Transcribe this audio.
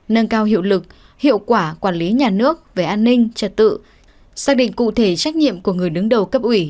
nâng cao hiệu lực hiệu quả quản lý nhà nước về an ninh trật tự xác định cụ thể trách nhiệm của người đứng đầu cấp ủy